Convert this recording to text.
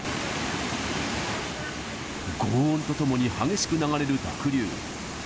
ごう音とともに激しく流れる濁流。